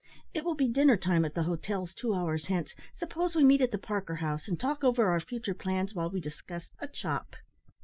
It will be dinner time at the hotels two hours hence. Suppose we meet at the Parker House, and talk over our future plans while we discuss a chop?"